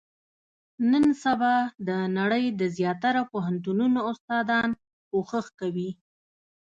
نن سبا، د نړۍ د زیاتره پوهنتونو استادان، کوښښ کوي.